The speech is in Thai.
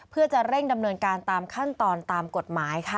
เพื่อจะเร่งดำเนินการตามขั้นตอนตามกฎหมายค่ะ